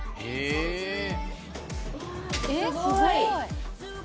えっすごい。